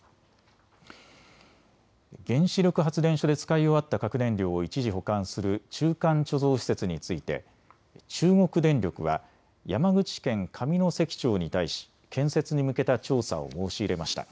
原子力発電所で使い終わった核燃料を一時保管する中間貯蔵施設について中国電力は山口県上関町に対し建設に向けた調査を申し入れました。